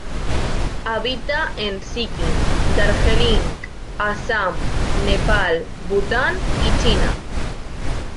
Habita en Sikkim, Darjeeling, Assam, Nepal, Bután y China.